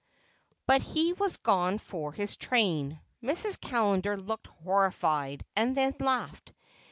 _" But he was gone for his train. Mrs. Callender looked horrified, and then laughed.